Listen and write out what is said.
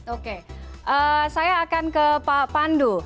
oke saya akan ke pak pandu